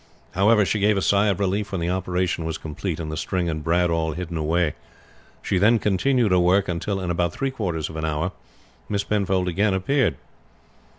However she gave a sigh of relief when the operation was complete, and the string and brad awl hidden away. She then continued her work until in about three quarters of an hour Miss Penfold again appeared.